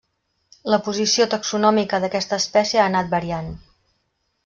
La posició taxonòmica d'aquesta espècie ha anat variant.